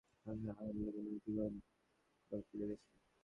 আগুনের মশাল দিয়ে মৌমাছি তাড়ানোর সময় আগুন লেগে নয়টি বসতঘর পুড়ে গেছে।